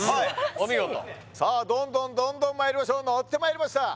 お見事さあどんどんどんどんまいりましょう乗ってまいりました